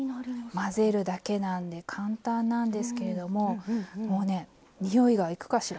混ぜるだけなんで簡単なんですけれどももうねにおいがいくかしら。